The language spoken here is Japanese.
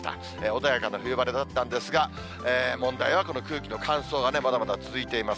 穏やかな冬晴れだったんですが、問題はこの空気の乾燥がね、まだまだ続いています。